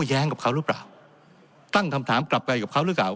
แย้งกับเขาหรือเปล่าตั้งคำถามกลับไปกับเขาหรือเปล่า